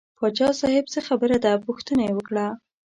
پاچا صاحب څه خبره ده پوښتنه یې وکړه.